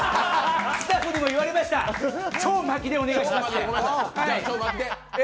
スタッフにも言われました、超巻きでお願いしますと。